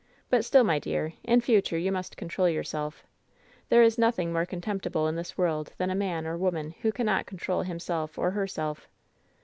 But still, my dear, in future you must control yourself. There is nothing more contemptible in this world than a man or woman who cannot control himself or herself."